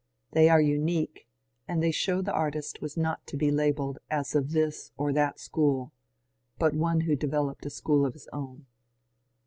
They are unique, and they show the artist was not to be labelled as of this or that school, but one who developed a school of his own.